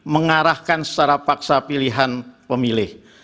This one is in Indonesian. mengarahkan secara paksa pilihan pemilih